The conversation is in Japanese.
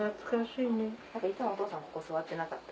いつもお父さんここ座ってなかった？